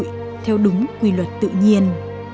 các cây đào đều chung theo đúng quy luật tự nhiên